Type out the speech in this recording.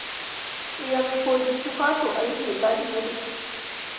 Яны пойдуць у хату, а іх вітаць будуць.